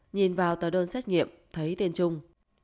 nhìn vào tờ đơn xét nghiệm thấy tên trung